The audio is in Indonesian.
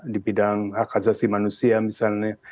di bidang hak asasi manusia misalnya